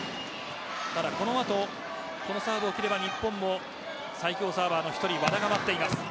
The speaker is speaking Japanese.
この後、このサーブを切れば日本も最強サーバーの１人和田が待っています。